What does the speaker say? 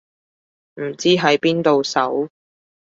唔知喺邊度搜